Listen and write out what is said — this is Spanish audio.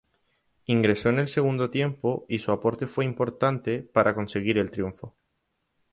Ingresó en el segundo tiempo y su aporte fue importante para conseguir el triunfo.